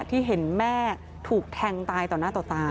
ที่เห็นแม่ถูกแทงตายต่อหน้าต่อตา